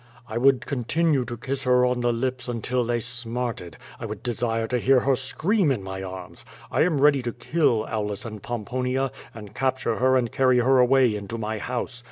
I would continue to kiss her on the lips until they smarted. I would desire to hear her scream in my arms! I am ready to kill Aulus and Pomponia, and capture her and carry her away into my house.